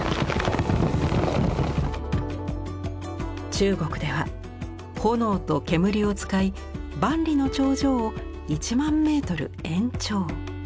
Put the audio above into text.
中国では炎と煙を使い万里の長城を一万メートル延長。